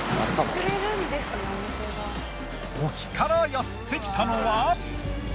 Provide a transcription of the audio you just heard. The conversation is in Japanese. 沖からやってきたのは。